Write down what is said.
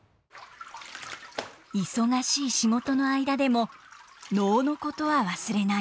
忙しい仕事の間でも能のことは忘れない。